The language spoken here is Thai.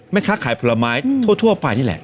แม่ค้าขายผลไม้ทั่วไปนี่แหละ